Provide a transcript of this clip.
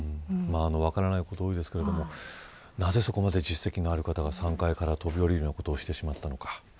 分からないこと多いですけどなぜ、そこまで実績のある方が３階から飛び降りることをしてしまったのか。